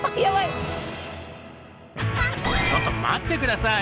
ちょっと待って下さい！